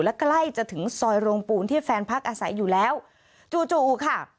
และใกล้จะถึงซอยโรงปูนที่แฟนพักอาศัยอยู่แล้วจู่จู่ค่ะ